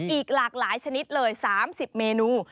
อีกหลากหลายชนิดเลย๓๐เมนู